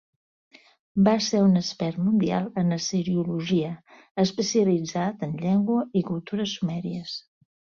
Va ser un expert mundial en assiriologia, especialitzat en llengua i cultura sumèries.